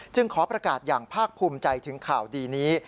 ขอประกาศอย่างภาคภูมิใจถึงข่าวดีนี้